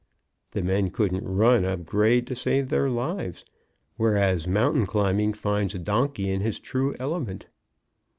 The men couldn't run up grade to save their lives, whereas mountain climbing finds a donkey in his true element.